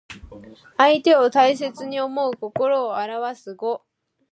相手を大切に思う心をあらわす語。